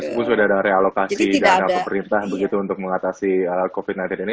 meskipun sudah ada realokasi dari pemerintah untuk mengatasi covid sembilan belas ini